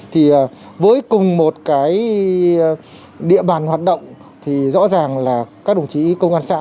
thì với cùng một cái địa bàn hoạt động thì rõ ràng là các đồng chí công an xã